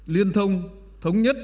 liên thông thống nhất